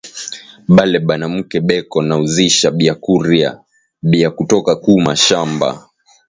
Bale banamuke beko na uzisha biakuria bia kutoka ku mashamba